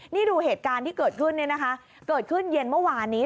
นี่ดูเหตุการณ์ที่เกิดขึ้นเนี่ยนะคะเกิดขึ้นเย็นเมื่อวานนี้